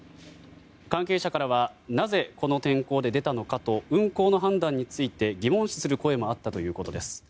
関係者からはなぜこの天候で出たのかと運航の判断について疑問視する声もあったということです。